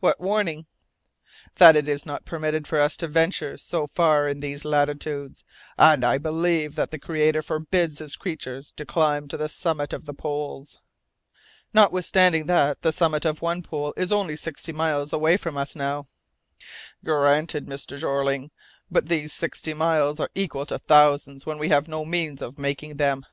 "What warning?" "That it is not permitted to us to venture so far in these latitudes, and I believe that the Creator forbids His creatures to climb to the summit of the poles." "Notwithstanding that the summit of one pole is only sixty miles away from us now." "Granted, Mr. Jeorling, but these sixty miles are equal to thousands when we have no means of making them!